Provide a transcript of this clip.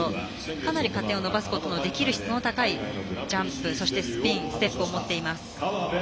かなり加点を伸ばすことのできる質の高いジャンプ、スピンステップを持っています。